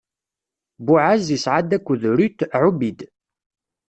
Buɛaz isɛa-d akked Rut Ɛubid.